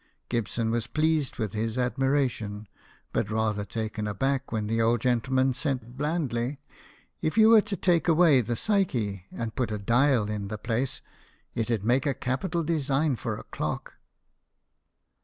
Gibson was pleased with his admiration, but rather taken aback when the 8p BIOGRAPHIES OF WORKING MEN. old gentleman said blandly, "If you were to take away the Psyche and put a dial in the place, it'd make a capital design for a clock."